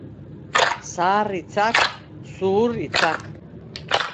Zahar hitzak, zuhur hitzak.